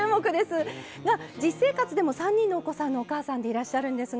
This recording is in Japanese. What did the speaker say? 実生活でも３人のお子さんのお母さんでいらっしゃるんですが。